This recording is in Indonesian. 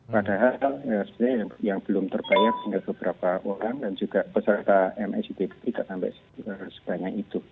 padahal sebenarnya yang belum terbayar tinggal beberapa orang dan juga peserta msib itu tidak sampai sebanyak itu